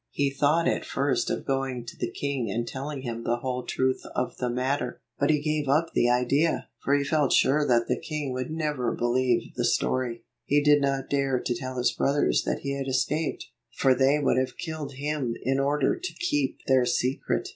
He thought at first of going to the king and telling him the whole truth of the matter. But he gave up the idea, for he felt sure that the king would never believe the story. He did not dare to tell his brothers that he had escaped, for they would have killed him in order to keep their secret.